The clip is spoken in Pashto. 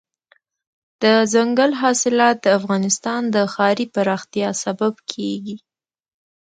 دځنګل حاصلات د افغانستان د ښاري پراختیا سبب کېږي.